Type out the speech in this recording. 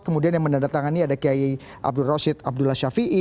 kemudian yang mendatangani ada qiyai abdur rashid abdullah shafi'i